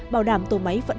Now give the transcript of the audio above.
bảo đảm tổ máy vận hành